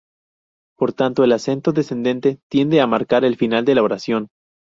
Por tanto el acento descendente tiende a marcar el final de la oración.